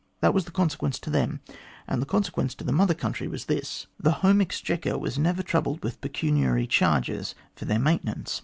That was the consequence to them, and the consequence to the Mother Country was this the home exchequer was never 208 THE GLADSTONE COLONY troubled with pecuniary charges for their maintenance.